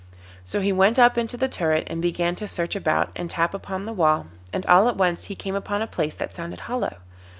So he went up into the turret and began to search about and tap upon the walls, and all at once he came upon a place that sounded hollow.